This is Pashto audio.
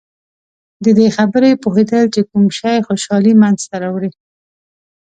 د دې خبرې پوهېدل چې کوم شی خوشحالي منځته راوړي.